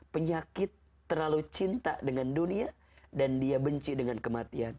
penyakit terlalu cinta dengan dunia dan dia benci dengan kematian